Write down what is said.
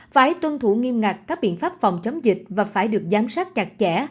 phải tuân thủ nghiêm ngặt các biện pháp phòng chống dịch và phải được giám sát chặt chẽ